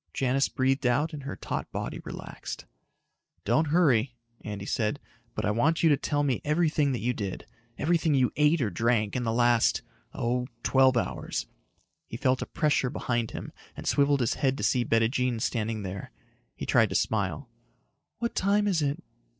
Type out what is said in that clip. Janis breathed out and her taut body relaxed. "Don't hurry," Andy said, "but I want you to tell me everything that you did everything you ate or drank in the last ... oh, twelve hours." He felt a pressure behind him and swiveled his head to see Bettijean standing there. He tried to smile. "What time is it?"